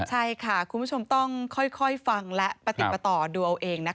ใช่ค่ะคุณผู้ชมต้องค่อยฟังและปฏิปต่อดูเอาเองนะคะ